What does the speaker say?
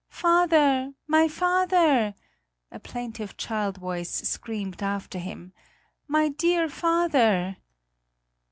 "Father, my father!" a plaintive child voice screamed after him, "my dear father!"